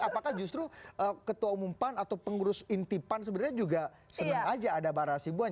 apakah justru ketua umum pan atau pengurus inti pan sebenarnya juga senang aja ada bara sibuan